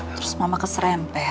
terus mama keserem